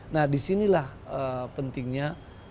nah disinilah pentingnya